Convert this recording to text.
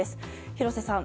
廣瀬さん